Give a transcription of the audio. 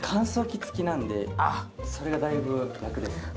それがだいぶラクですね。